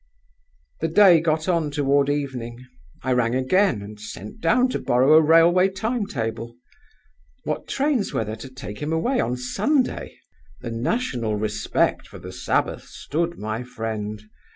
"The day got on toward evening. I rang again, and sent down to borrow a railway time table. What trains were there to take him away on Sunday? The national respect for the Sabbath stood my friend.